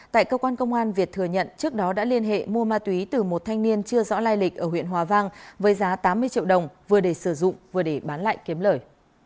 tại cơ quan công an việt thừa nhận trước đó đã liên hệ mua ma túy từ một thanh niên chưa rõ lai lịch ở huyện hòa vang với giá tám mươi triệu đồng vừa để sử dụng vừa để bán lại kiếm lời